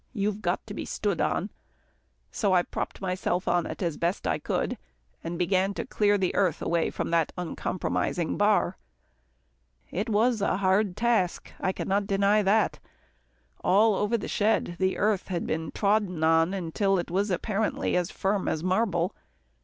"You've got to be stood on." So I propped myself on it as best I could, and began to clear the earth from that uncompromising bar. It was a hard task. I can not deny that. All over the shed, the earth had been trodden on till it was apparently as firm as marble.